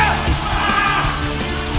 gak ada masalah